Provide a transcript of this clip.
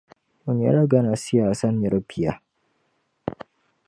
O nyɛla Ghana siyaasa nira bia,